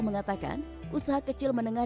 mengatakan usaha kecil menengah